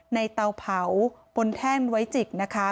เตาเผาบนแท่นไว้จิกนะคะ